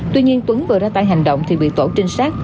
tuy nhiên tuấn vừa ra tay hành động thì bị tổ trinh sát